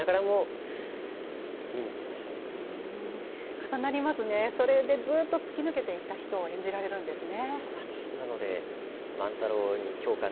重なりますね、それでずっと突き抜けていった人を演じられるんですね。